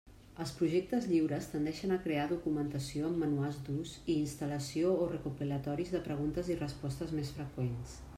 Els projectes lliures tendeixen a crear documentació amb manuals d'ús i instal·lació o recopilatoris de preguntes i respostes més freqüents.